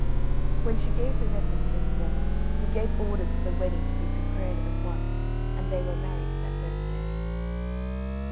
When she gave the letter to his brother, he gave orders for the wedding to be prepared at once, and they were married that very day.